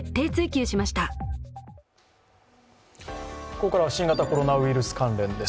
ここからは新型コロナウイルス関連です。